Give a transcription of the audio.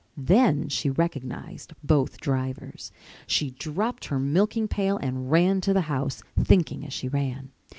Then she recognized both drivers. She dropped her milking pail and ran to the house, thinking as she ran.